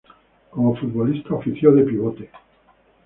Como futbolista, ofició de pivote.